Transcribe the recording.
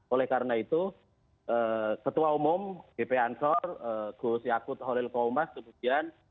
oleh karena itu ketua umum gp ansor go siakut holil koumas kemudian